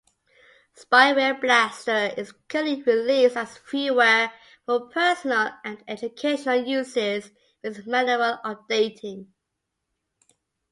SpywareBlaster is currently released as freeware, for personal and educational uses, with manual updating.